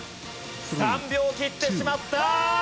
３秒切ってしまったー！